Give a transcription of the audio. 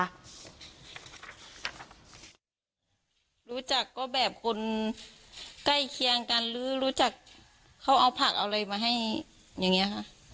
รู้จักก็แบบคนใกล้เคียงกันหรือรู้จักเขาเอาผักเอาอะไรมาให้อย่างนี้ค่ะ